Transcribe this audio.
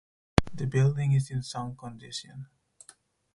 The building is in sound condition.